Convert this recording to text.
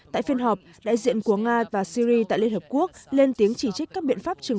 tại phiên họp đại diện của nga và syri tại liên hợp quốc lên tiếng chỉ trích các biện pháp trừng